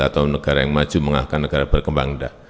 atau negara yang maju mengalahkan negara berkembang enggak